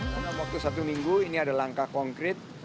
karena waktu satu minggu ini ada langkah konkret